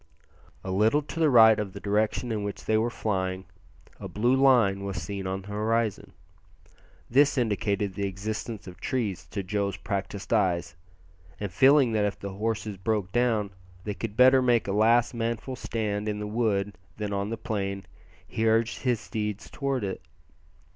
A little to the right of the direction in which they were flying a blue line was seen on the horizon. This indicated the existence of trees to Joe's practised eyes, and feeling that if the horses broke down they could better make a last manful stand in the wood than on the plain he urged his steed towards it.